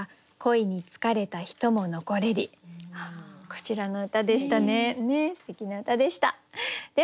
こちらの歌でしたね。